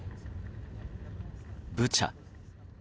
ブチャ。